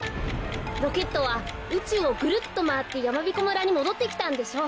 ロケットはうちゅうをぐるっとまわってやまびこ村にもどってきたんでしょう。